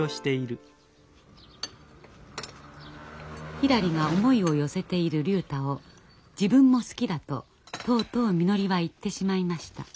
ひらりが思いを寄せている竜太を自分も好きだととうとうみのりは言ってしまいました。